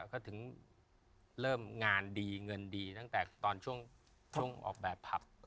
ก็ถึงเริ่มงานดีเงินดีตั้งแต่ตอนช่วงออกแบบผับ